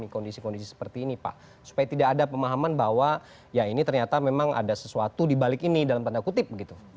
kondisi kondisi seperti ini pak supaya tidak ada pemahaman bahwa ya ini ternyata memang ada sesuatu dibalik ini dalam tanda kutip begitu